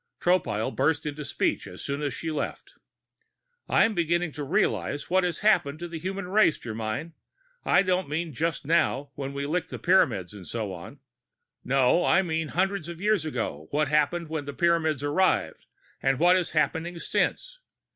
Tropile burst into speech as soon as she left. "I'm beginning to realize what has happened to the human race, Germyn. I don't mean just now, when we licked the Pyramids and so on. No, I mean hundreds of years ago, what happened when the Pyramids arrived, and what has been happening since.